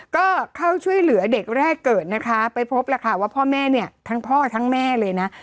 ก็เข้าช่วยเหลือเด็กแรกเกิดนะคะไปพบแล้วค่ะว่าพ่อแม่เนี่ยทั้งพ่อทั้งแม่เลยนะ